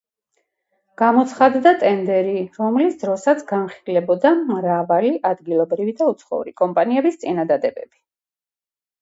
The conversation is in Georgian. გამოცხადდა ტენდერი, რომლის დროსაც განიხილებოდა მრავალი ადგილობრივი და უცხოური კომპანიების წინადადებები.